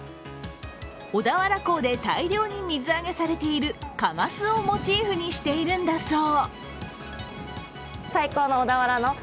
小田原港で大量に水揚げされているカマスをモチーフにしているんだそう。